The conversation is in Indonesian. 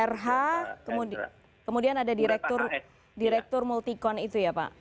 rh kemudian ada direktur multikon itu ya pak